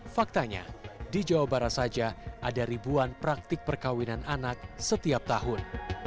faktanya di jawa barat saja ada ribuan praktik perkawinan anak setiap tahun